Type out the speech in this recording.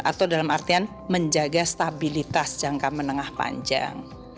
atau dalam artian menjaga stabilitas jangka menengah panjang